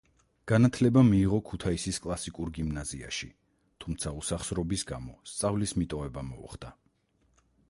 განათლება მიიღო ქუთაისის კლასიკურ გიმნაზიაში, თუმცა უსახსრობის გამო სწავლის მიტოვება მოუხდა.